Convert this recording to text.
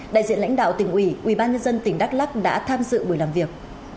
đại diện lãnh đạo tỉnh ủy ubnd tỉnh đắk lắc đã tham dự buổi làm việc